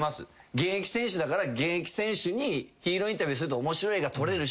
現役選手だから現役選手にヒーローインタビューすると面白い絵が撮れるし。